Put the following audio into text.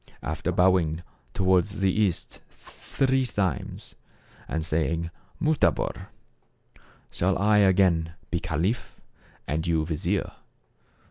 After bowing toward the east three times and saying ' Mutabor/ shall I again be caliph, and you vizier